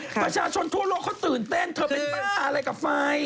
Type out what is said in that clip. ประชาชนทั่วโลกเขาตื่นเต้นเธอเป็นปัญหาอะไรกับไฟ